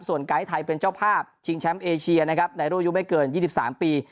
ส่วนไกด์ไทยเป็นเจ้าภาพชิงแชมป์เอเชียนะครับในรุ่นอายุไม่เกิน๒๓ปี